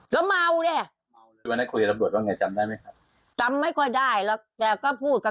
ที่โทรไปหาตำรวจมัวป่ะ